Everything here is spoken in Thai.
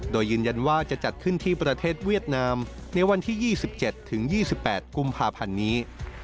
โดยยืนยันว่าจะจัดขึ้นที่ประเทศเวียดนามในวันที่๒๗ถึง๒๘กุมภาพันธ์นี้